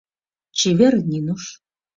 Чеверын, Нинуш...»